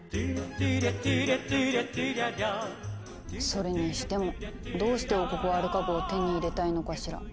それにしてもどうして王国はアルカ号を手に入れたいのかしら？